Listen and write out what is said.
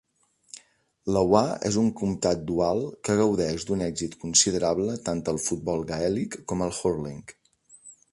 Laois és un comptat dual que gaudeix d'un èxit considerable tant al futbol gaèlic com al hurling.